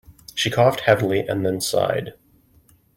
She coughed heavily and then sighed.